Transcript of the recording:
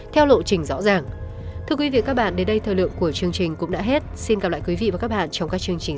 theo lộ trình rõ ràng